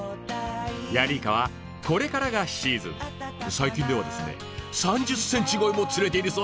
最近ではですね３０ｃｍ超えも釣れているそうです！